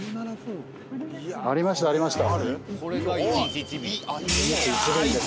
ありましたありました。